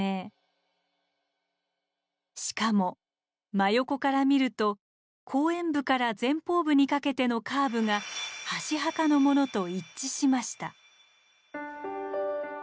しかも真横から見ると後円部から前方部にかけてのカーブが箸墓のものと一致しました。